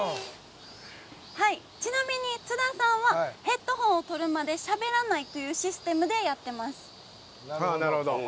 ちなみに津田さんはヘッドホンをとるまでしゃべらないというシステムでやってます。